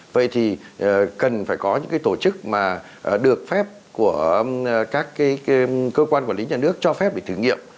vậy thì cần phải có những cái tổ chức mà được phép của các cơ quan quản lý nhà nước cho phép để thử nghiệm